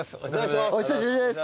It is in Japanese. お久しぶりです。